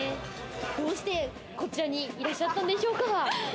どうして、こちらにいらっしゃったんでしょうか？